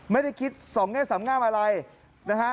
ไม่ได้คิดสองแง่สำงามอะไรนะฮะ